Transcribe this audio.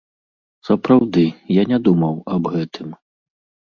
Сапраўды, я не думаў аб гэтым.